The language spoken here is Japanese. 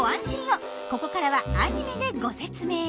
ここからはアニメでご説明。